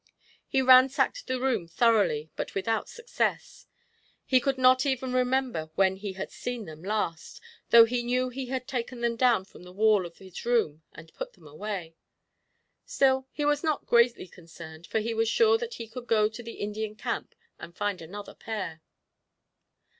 He ransacked the room thoroughly, but without success. He could not even remember when he had seen them last, though he knew he had taken them down from the wall of his room and put them away. Still, he was not greatly concerned, for he was sure that he could go to the Indian camp and find another pair.